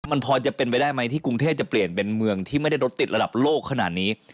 มันพอจะเป็นไปได้ไหมที่กรุงเทพจะเปลี่ยนเป็นเมืองที่ไม่ได้รถติดระดับโลกขนาดนี้